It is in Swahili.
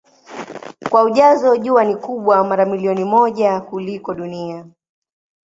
Kwa ujazo Jua ni kubwa mara milioni moja kuliko Dunia.